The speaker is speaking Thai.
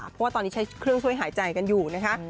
เพราะว่าตอนนี้ใช้เครื่องช่วยหายใจกันอยู่นะคะ